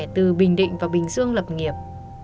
từ bình định và bình dương lập nghiệp